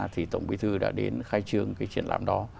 thì tổng bí thư đã đến khai trương cái triển lãm đó